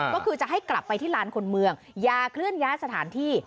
ก็คือจะให้กลับไปที่ลานคนเมืองอย่าเคลื่อนย้ายสถานที่